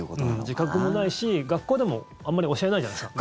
自覚もないし学校でも、あんまり教えないじゃないですか。